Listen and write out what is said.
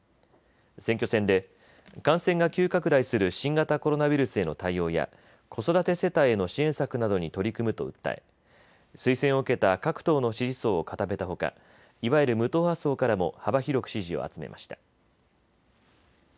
選挙戦で感染が急拡大する新型コロナウイルスへの対応や子育て世帯への支援策などに取り組むと訴え、推薦を受けた各党の支持層を固めたほかいわゆる無党派層からも幅広く支持を集めました。